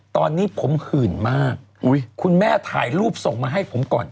ตอนนี้ผมหื่นมากคุณแม่ถ่ายรูปส่งมาให้ผมก่อน